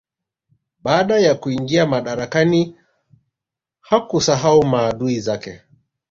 Baada ya kuingia madarakani hakusahau maadui zake